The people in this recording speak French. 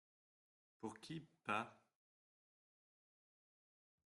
Pour qui, p’pa ?